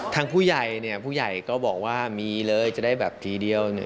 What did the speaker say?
ทางผู้ใหญ่ก็บอกว่ามีเลยจะได้แบบทีเดียว